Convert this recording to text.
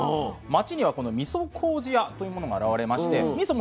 町にはこのみそこうじ屋というものが現れましてみそ